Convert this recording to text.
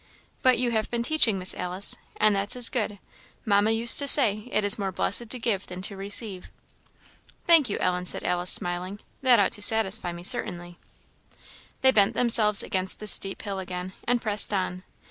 "But you have been teaching, Miss Alice, and that's as good. Mamma used to say, 'It is more blessed to give than to receive.' " "Thank you, Ellen," said Alice, smiling; "that ought to satisfy me, certainly." They bent themselves against the steep hill again, and pressed on.